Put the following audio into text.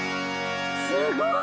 すごーい！